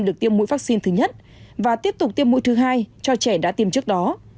được tiêm mũi vaccine thứ nhất và tiếp tục tiêm mũi thứ hai cho trẻ đã tiêm trước đó